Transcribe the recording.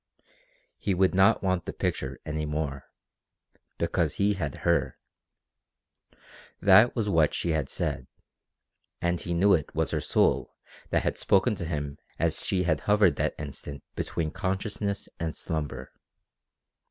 He would not want the picture any more because he had her! That was what she had said, and he knew it was her soul that had spoken to him as she had hovered that instant between consciousness and slumber.